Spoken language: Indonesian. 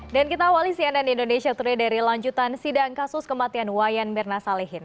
dan kita awali cnn indonesia ture dari lanjutan sidang kasus kematian wayan mirna salehin